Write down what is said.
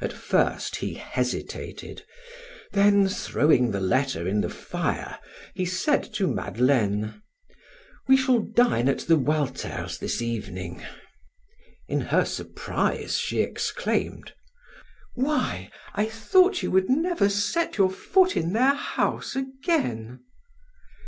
At first he hesitated, then throwing the letter in the fire, he said to Madeleine: "We shall dine at the Walters' this evening." In her surprise she exclaimed: "Why, I thought you would never set your foot in their house again."